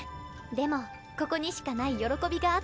でもここにしかない喜びがあって。